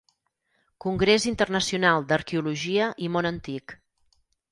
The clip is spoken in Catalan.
Congrés Internacional d'Arqueologia i món antic: